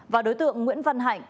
và đối tượng nguyễn văn hạnh